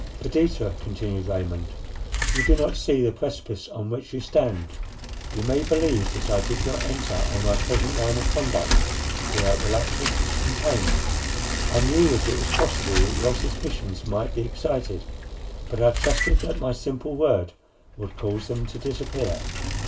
"Perdita," continued Raymond, "you do not see the precipice on which you stand. You may believe that I did not enter on my present line of conduct without reluctance and pain. I knew that it was possible that your suspicions might be excited; but I trusted that my simple word would cause them to disappear.